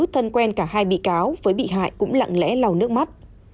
thân quen cả hai bị cáo với bị hại cũng lặng lẽ lau nước mắt